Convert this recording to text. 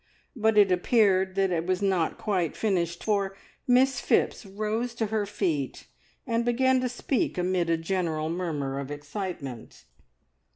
But it appeared that it was not quite finished, for Miss Phipps rose to her feet and began to speak amid a general murmur of excitement.